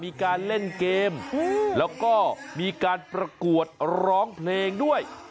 มีการเล่นเกมแล้วก็มีการประกวดร้องเพลงด้วย